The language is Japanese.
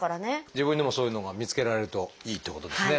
自分でもそういうのが見つけられるといいってことですね。